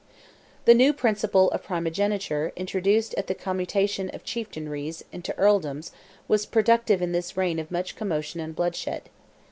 The new principle of primogeniture introduced at the commutation of chieftainries into earldoms was productive in this reign of much commotion and bloodshed.